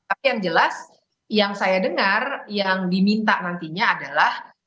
tapi yang jelas yang saya dengar yang diminta nantinya adalah